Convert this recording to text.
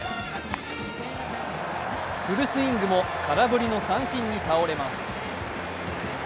フルスイングも空振りの三振に倒れます。